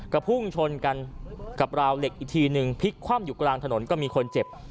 ก็พุ่งชนกันกับราวเหล็กอีกทีนึงพลิกคว่ำอยู่กลางถนนก็มีคนเจ็บ